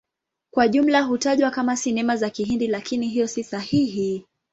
Kwa ujumla hutajwa kama Sinema za Kihindi, lakini hiyo si sahihi.